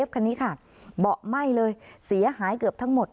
คันนี้ค่ะเบาะไหม้เลยเสียหายเกือบทั้งหมด